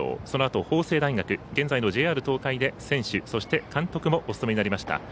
そのあと法政大学現在のＪＲ東海で選手そして監督もお務めになりました。